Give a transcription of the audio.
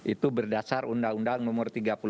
itu berdasar undang undang nomor tiga puluh delapan